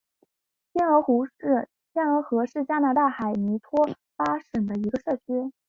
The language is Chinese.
天鹅河是加拿大马尼托巴省的一个社区。